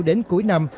đến cuối năm